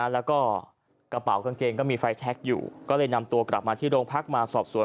แล้วก็กระเป๋ากางเกงก็มีไฟแชคอยู่ก็เลยนำตัวกลับมาที่โรงพักมาสอบสวน